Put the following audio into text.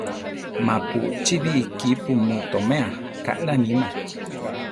Ma pu chíbi ikípu mu toméa, kaʼlá níma.